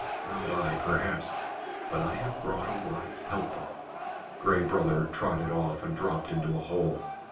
"Not I, perhaps but I have brought a wise helper." Gray Brother trotted off and dropped into a hole.